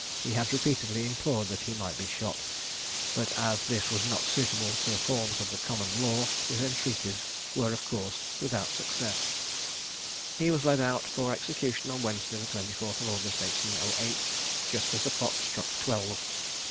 He had repeatedly implored that he might be shot; but as this was not suitable to the forms of the common law his entreaties were of course without success. He was led out for execution on Wednesday, the 24th of August, 1808, just as the clock struck twelve.